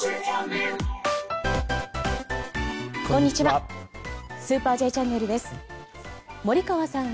こんにちは。